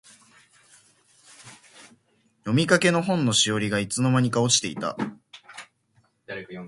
読みかけの本のしおりが、いつの間にか落ちていた。